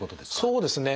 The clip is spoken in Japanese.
そうですね。